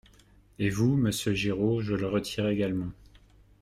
Et vous, monsieur Giraud Je le retire également.